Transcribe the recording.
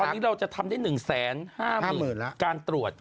ตอนนี้เราจะทำได้๑๕๐๐๐การตรวจ